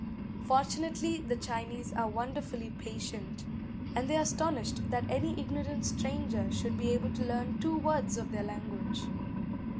Fortunately the Chinese are wonderfully patient; and they are astonished that any ignorant stranger should be able to learn two words of their language."